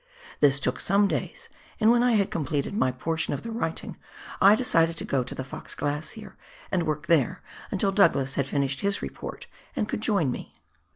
This took some days, and when I had completed my portion of the writing I decided to go to the Fox Glacier and work there until Douglas had finished his report and could join me.